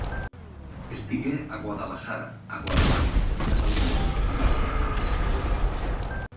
Estigué a Guadalajara, a Guadarrama i a Catalunya, on va ser pres.